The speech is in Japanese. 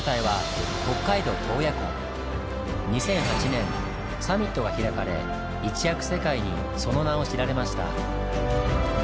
２００８年サミットが開かれ一躍世界にその名を知られました。